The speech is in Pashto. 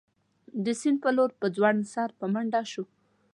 د سیند په لور په ځوړند سر په منډه شوم.